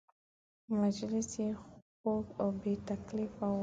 مجلس یې خوږ او بې تکلفه و.